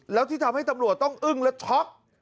แล้วที่ทำให้ตำรวจต้องอึ้งและช็อก